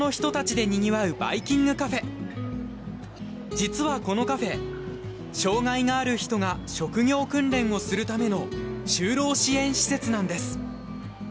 実はこのカフェ障がいがある人が職業訓練をするための就労支援施設なんです。